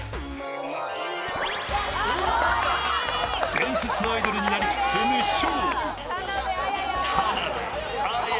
伝説のアイドルになりきって熱唱。